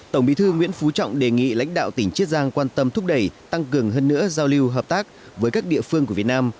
tổng bí thư nguyễn phú trọng đề nghị lãnh đạo tỉnh chiết giang quan tâm thúc đẩy tăng cường hơn nữa giao lưu hợp tác với các địa phương của việt nam